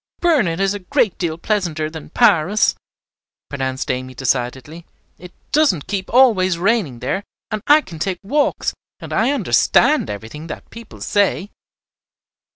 "Burnet is a great deal pleasanter than Paris," pronounced Amy, decidedly. "It doesn't keep always raining there, and I can take walks, and I understand everything that people say."